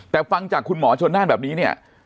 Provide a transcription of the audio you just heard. แต่ฟังจากคุณหมอชนน่านแบบนี้เนี่ย